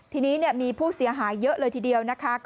ทีนี้มีผู้เสียหายเยอะเลยทีเดียวนะคะ